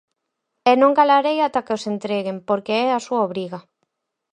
E non calarei ata que os entreguen, porque é a súa obriga.